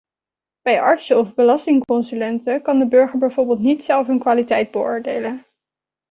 Bij artsen of belastingconsulenten kan de burger bijvoorbeeld niet zelf hun kwaliteit beoordelen.